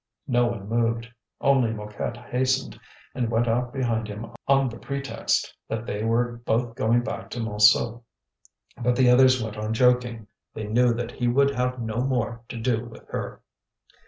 No one moved. Only Mouquette hastened, and went out behind him on the pretext that they were both going back to Montsou. But the others went on joking; they knew that he would have no more to do with her.